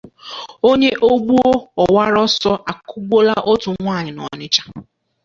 Onye Ogbuo Ọwara Ọsọ Akụgbuola Otu Nwaanyị n'Ọnịcha